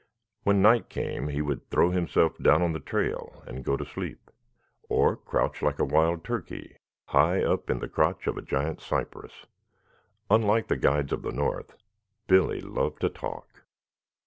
When night came he would throw himself down on the trail and go to sleep or crouch like a wild turkey high up in the crotch of a giant cypress. Unlike the guides of the north, Billy loved to talk.